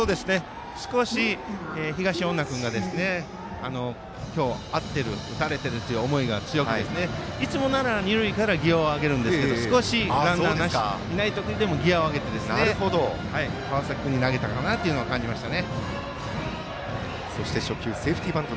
少し東恩納君が今日、合っている打たれているという思いが強くて、いつもなら二塁からギヤを上げるんですけど少し、ランナーがいない時でもギヤを上げて川崎君に投げたかなと感じました。